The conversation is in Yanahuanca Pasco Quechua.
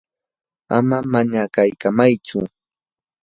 ama manakamaychu.